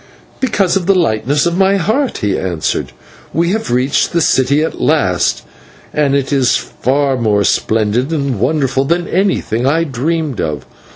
"Because of the lightness of my heart," he answered. "We have reached the city at last, and it is far more splendid and wonderful than anything I dreamed of.